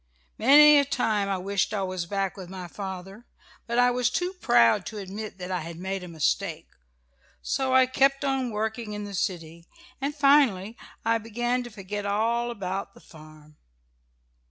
Many a time I wished I was back with my father, but I was too proud to admit that I had made a mistake. So I kept on working in the city, and finally I began to forget all about the farm.